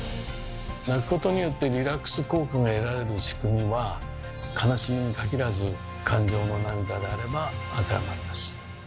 泣くことによってリラックス効果が得られる仕組みは悲しみに限らず感情の涙であれば当てはまります。